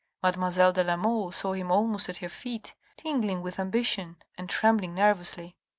Mademoiselle de la Mole saw him almost at her feet, tingling with ambition, and trembling nervously.